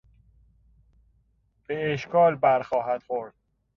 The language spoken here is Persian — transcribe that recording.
به اشکال بر خواهد خورد.